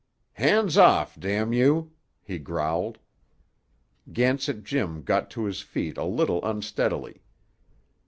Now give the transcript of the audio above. "Hands off, damn you!" he growled. Gansett Jim got to his feet a little unsteadily.